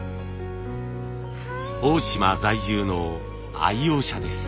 大島在住の愛用者です。